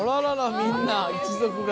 みんな一族が。